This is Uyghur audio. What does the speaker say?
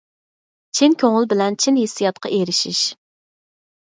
چىن كۆڭۈل بىلەن چىن ھېسسىياتقا ئېرىشىش.